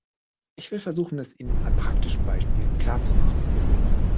Ich will versuchen, es Ihnen an praktischen Beispielen klar zu machen.